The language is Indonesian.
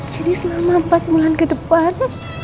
jadi selama empat bulan ke depan